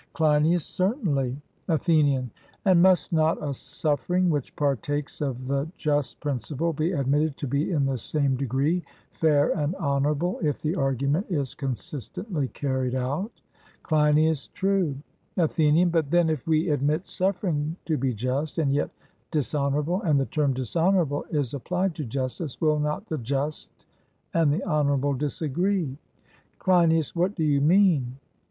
CLEINIAS: Certainly. ATHENIAN: And must not a suffering which partakes of the just principle be admitted to be in the same degree fair and honourable, if the argument is consistently carried out? CLEINIAS: True. ATHENIAN: But then if we admit suffering to be just and yet dishonourable, and the term 'dishonourable' is applied to justice, will not the just and the honourable disagree? CLEINIAS: What do you mean?